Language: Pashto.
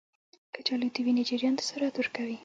کچالو د وینې جریان ته سرعت ورکوي.